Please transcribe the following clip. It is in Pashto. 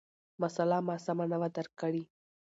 مسأله ما سمه نه وه درک کړې،